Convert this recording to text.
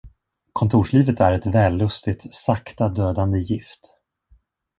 Kontorslivet är ett vällustigt, sakta dödande gift.